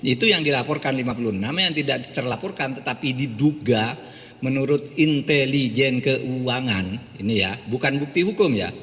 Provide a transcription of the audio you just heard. itu yang dilaporkan lima puluh enam yang tidak terlaporkan tetapi diduga menurut intelijen keuangan ini ya bukan bukti hukum ya